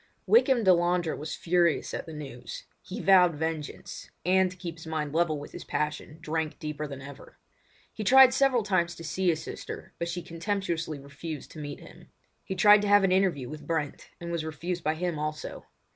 Wykham Delandre was furious at the news. He vowed vengeance—and to keep his mind level with his passion drank deeper than ever. He tried several times to see his sister, but she contemptuously refused to meet him. He tried to have an interview with Brent and was refused by him also.